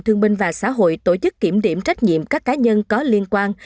thương binh và xã hội tổ chức kiểm điểm trách nhiệm các cá nhân có liên quan